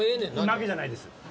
負けじゃないです。